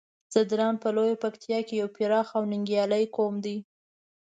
ځدراڼ په لويه پکتيا کې يو پراخ او ننګيالی قوم دی.